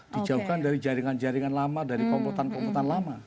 dijauhkan dari jaringan jaringan lama dari komputan komputan lama